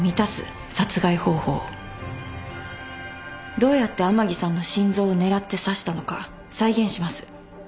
どうやって甘木さんの心臓を狙って刺したのか再現します。